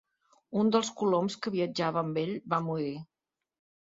Un dels coloms que viatjava amb ell va morir.